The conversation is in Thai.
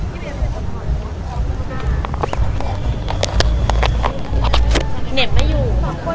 เหน็บไม่อยู่